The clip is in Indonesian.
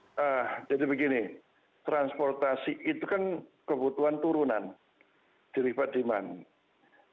keras terkenal dibabit jetta berkritik bahwa ada hal seperti ini seperti mengurangkan kontrasolen dari harga pet service mitochondria berperan kown